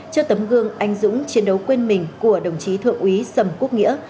trước tấm gương anh dũng chiến đấu quên mình của đồng chí thượng úy sầm quốc nghĩa